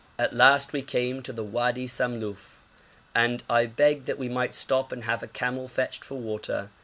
At last we came to the Wadi Samluf, and I begged that we might stop and have a camel fetched for water.